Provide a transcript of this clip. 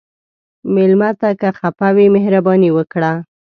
مېلمه ته که خفه وي، مهرباني وکړه.